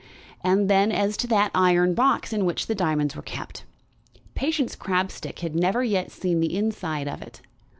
And then as to that iron box in which the diamonds were kept! Patience Crabstick had never yet seen the inside of it.